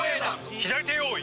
左手用意！